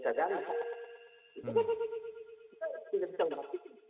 itu harus kita tindakan berarti